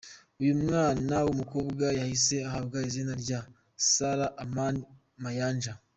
Uyu mwana w’umukobwa yahise ahabwa izina rya Xara Amani Mayanja.